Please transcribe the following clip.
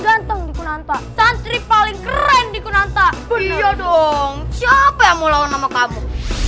ganteng di kunanto santri paling keren di kunanta beliau dong siapa yang mau lawan sama kamu